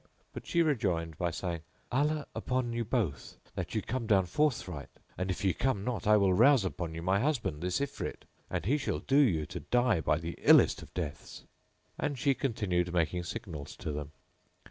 But she rejoined by saying, "Allah upon you both, that ye come down forthright, and if ye come not, I will rouse upon you my husband, this Ifrit, and he shall do you to die by the illest of deaths;" and she continued making signals to them.